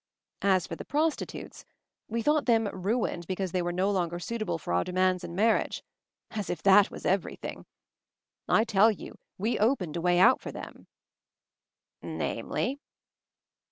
As for the prostitutes — we thought them 'ruined* because they were no longer suit able for our demands in marriage. As if that was everything! I tell you we opened a way out for them 1" "Namely